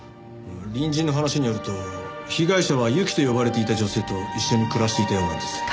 隣人の話によると被害者はユキと呼ばれていた女性と一緒に暮らしていたようなんです。